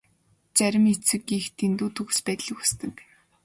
Зарим эцэг эх дэндүү төгс байдлыг хүсдэг.